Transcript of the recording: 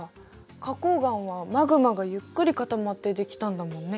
花こう岩はマグマがゆっくり固まってできたんだもんね。